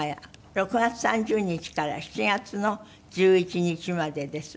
６月３０日から７月の１１日までです。